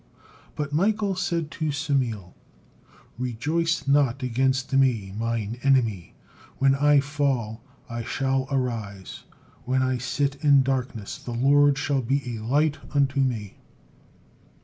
But Michael said to Samael: "'Rejoice not against me, mine enemy: when I fall, I shall arise; when I sit in darkness, the Lord shall be a light unto me.'